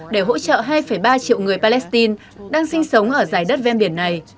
để hỗ trợ hai ba triệu người palestine đang sinh sống ở dài đất ven biển này